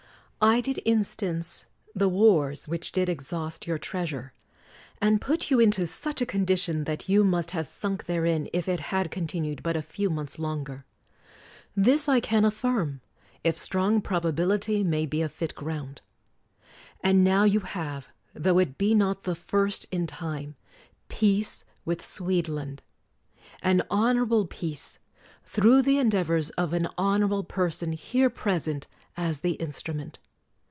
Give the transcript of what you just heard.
I did instance the wars, which did exhaust your treasure, and put you into such a condi tion that you must have sunk therein if it had continued but a few months longer: this I can affirm, if strong probability may be a fit ground. And now you have, tho it be not the first in time, peace with Swede land; an honorable peace; through the endeavors of an honorable person here present as the instrument.